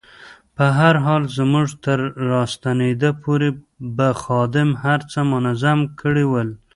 په هر حال زموږ تر راستنېدا پورې به خادم هر څه منظم کړي ول.